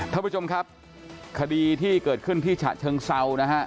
ท่านผู้ชมครับคดีที่เกิดขึ้นที่ฉะเชิงเซานะฮะ